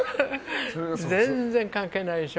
全然関係ないでしょ。